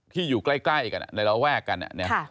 ที่อยู่ใกล้กันในรอแวกกันเนี่ย